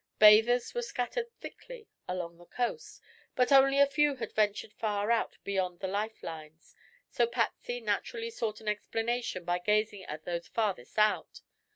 Bathers were scattered thickly along the coast, but only a few had ventured far out beyond the life lines, so Patsy naturally sought an explanation by gazing at those farthest out.